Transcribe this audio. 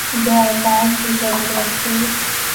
They attacked the presidency.